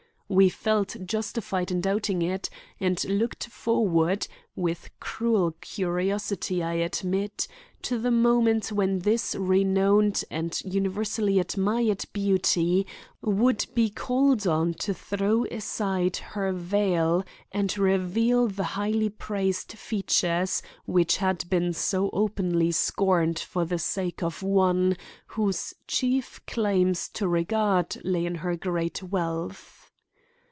We felt justified in doubting it, and looked forward, with cruel curiosity I admit, to the moment when this renowned and universally admired beauty would be called on to throw aside her veil and reveal the highly praised features which had been so openly scorned for the sake of one whose chief claims to regard lay in her great wealth.